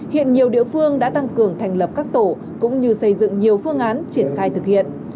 hiện nhiều địa phương đã tăng cường thành lập các tổ cũng như xây dựng nhiều phương án triển khai thực hiện